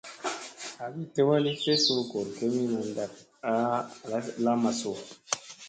Agi tew a li tlesu goor kemina ɗak a lamma su ?